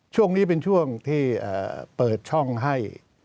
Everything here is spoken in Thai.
ช่วงนี้เป็นช่วงที่เปิดช่องให้